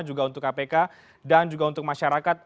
juga untuk kpk dan juga untuk masyarakat